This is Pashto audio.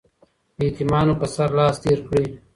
د يتيمانو په سر لاس تېر کړئ.